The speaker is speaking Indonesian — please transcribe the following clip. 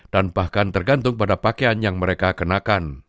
dan bahkan tergantung pada pakaian yang mereka kenakan